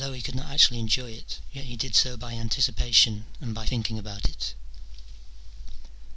he could not actually enjoy it, yet he did so by anticipation and by thinking about it.